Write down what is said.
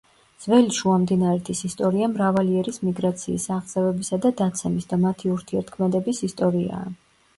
ძველი შუამდინარეთის ისტორია მრავალი ერის მიგრაციის, აღზევებისა და დაცემის და მათი ურთიერთქმედების ისტორიაა.